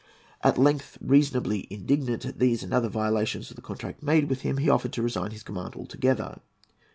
At length, reasonably indignant at these and other violations of the contract made with him, he offered to resign his command altogether.